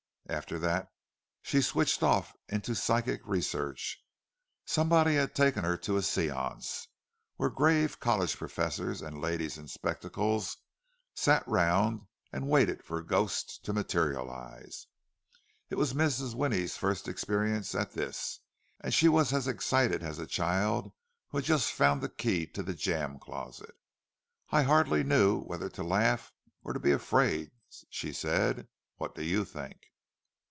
After that she switched off into psychic research—somebody had taken her to a seance, where grave college professors and ladies in spectacles sat round and waited for ghosts to materialize. It was Mrs. Winnie's first experience at this, and she was as excited as a child who has just found the key to the jam closet. "I hardly knew whether to laugh or to be afraid," she said. "What would you think?"